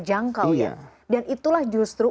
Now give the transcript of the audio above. jangkau dan itulah justru